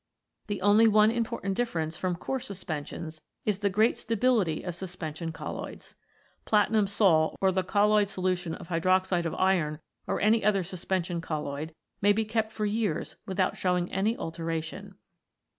The only one important differ ence from coarse suspensions is the great stability of suspension colloids. Platinum sol or the colloid solution of hydroxide of iron or any other suspen sion colloid may be kept for years without showing any alteration.